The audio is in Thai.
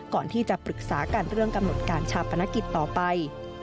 ก่อนที่จะปรึกษากันเรื่องกำหนดการชาปนกิจต่อไป